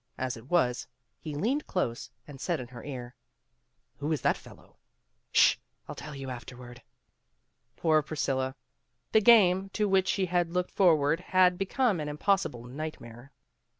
As it was, he leaned close and said in her ear, "Who is that fellow?" " Sh ! I '11 tell you afterward. '' Poor Priscilla! The game to which she had looked forward had become an impossible night mare.